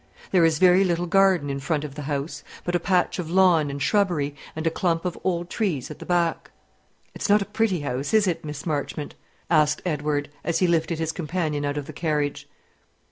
There is very little garden in front of the house, but a patch of lawn and shrubbery and a clump of old trees at the back. "It's not a pretty house, is it, Miss Marchmont?" asked Edward, as he lifted his companion out of the carriage.